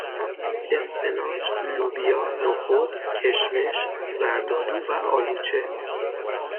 اسفناج لوبیا نخود کشمش زردآلو و آلوچه